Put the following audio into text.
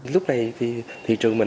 lúc này thì thị trường mình